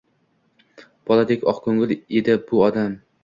Boladek oq ko’ngil edi bu odam.